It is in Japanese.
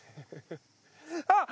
あっ！